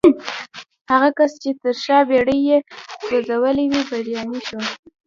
هغه کس چې تر شا بېړۍ يې سوځولې وې بريالی شو.